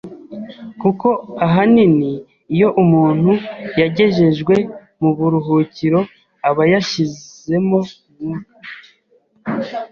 kuko ahanini iyo umuntu yagejejwe mu buruhukiro aba yashizemo umwuka